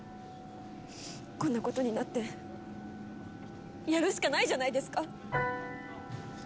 こんなことになってやるしかないじゃないですか！